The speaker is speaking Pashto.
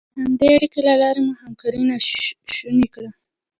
د همدې اړیکې له لارې مو همکاري شونې کړه.